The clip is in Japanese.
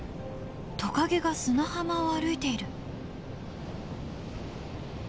トカゲが砂浜を歩いている。